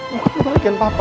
bukan kebahagiaan papa